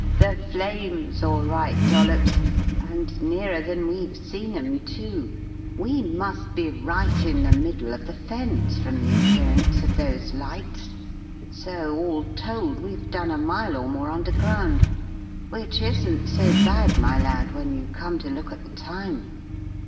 The Flames all right, Dollops. And nearer than we've seen 'em, too! We must be right in the middle of the Fens, from the appearance of those lights, so, all told, we've done a mile or more underground, which isn't so bad, my lad, when you come to look at the time."